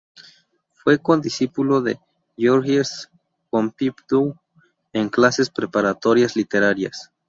Fue condiscípulo de Georges Pompidou en clases preparatorias literarias.